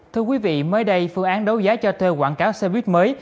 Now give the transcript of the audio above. thưa quý vị mới đây phương án đấu giá cho thuê quảng cáo xe buýt mới